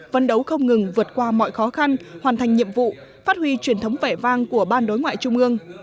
vấn đấu không ngừng vượt qua mọi khó khăn hoàn thành nhiệm vụ phát huy truyền thống vẻ vang của ban đối ngoại trung ương